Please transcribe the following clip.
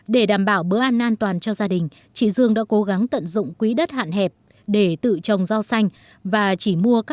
để đảm bảo bữa ăn an toàn cho gia đình chị dương đã cố gắng tận dụng quý đất hạn hẹp để tự trồng rau xanh và chỉ mua các loại thực phẩm